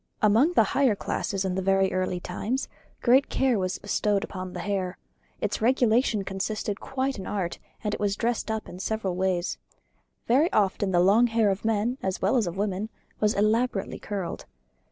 Among the higher classes in very early times great care was bestowed on the hair; its regulation constituted quite an art; and it was dressed up in several ways. Very often the long hair of men, as well as of women, was elaborately curled.